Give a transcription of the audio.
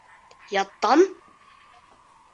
Яттан?